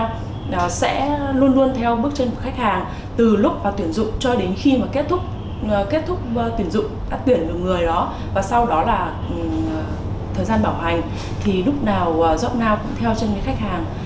jobnow sẽ luôn luôn theo bước chân của khách hàng từ lúc vào tuyển dụng cho đến khi mà kết thúc tuyển dụng đã tuyển được người đó và sau đó là thời gian bảo hành thì lúc nào jobnow cũng theo chân với khách hàng